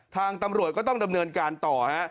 ทางตำรวจก็ต้องดำเนินการต่อฮะ